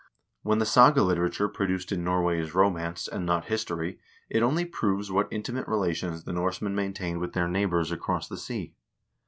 When the saga literature produced in Norway is romance, and not history, it only proves what intimate relations the Norsemen maintained with their neighbors across the sea.